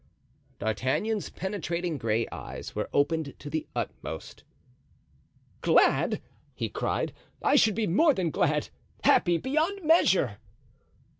D'Artagnan's penetrating gray eyes were opened to the utmost. "Glad!" he cried; "I should be more than glad! Happy—beyond measure!"